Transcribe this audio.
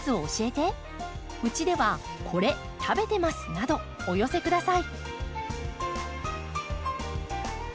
などお寄せください。